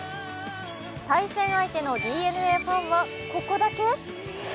対戦相手のＤｅＮＡファンはここだけ？